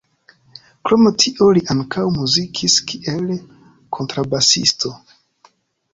Krom tio li ankaŭ muzikis kiel kontrabasisto.